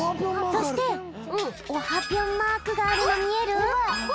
そしてオハぴょんマークがあるのみえる？